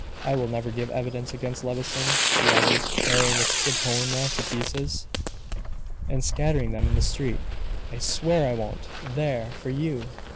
"I will never give evidence against Levison," she uttered, tearing the subpoena to pieces, and scattering them in the street. "I swear I won't. There, for you!